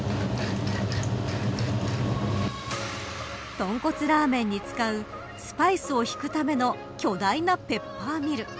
とんこつラーメンに使うスパイスをひくための巨大なペッパーミル。